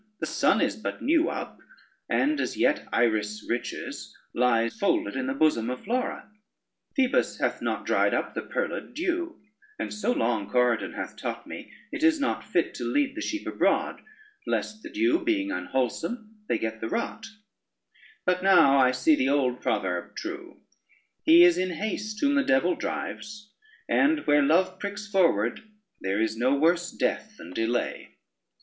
the sun is but new up, and as yet Iris' riches lie folded in the bosom of Flora: Phoebus hath not dried up the pearled dew, and so long Corydon hath taught me, it is not fit to lead the sheep abroad, lest, the dew being unwholesome, they get the rot: but now see I the old proverb true, he is in haste whom the devil drives, and where love pricks forward, there is no worse death than delay.